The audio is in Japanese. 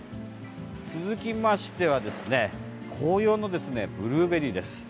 続きましては紅葉のブルーベリーです。